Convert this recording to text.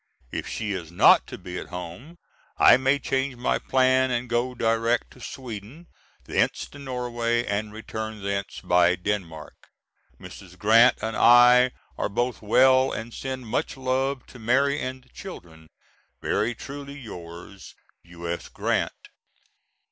If she is not to be at home I may change my plan and go direct to Sweden, thence to Norway, and return thence by Denmark. Mrs. Grant and I are both well and send much love to Mary and the children. Very truly yours, U.S. GRANT.